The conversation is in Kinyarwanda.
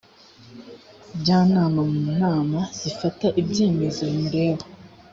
njyanama mu nama zifata ibyemezo bimureba